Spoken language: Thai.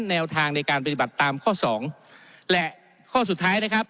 แนวทางในการปฏิบัติตามข้อสองและข้อสุดท้ายนะครับ